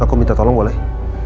aku minta tolong boleh